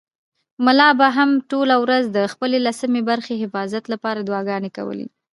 ملا به هم ټوله ورځ د خپلې لسمې برخې حفاظت لپاره دعاګانې کولې.